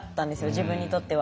自分にとっては。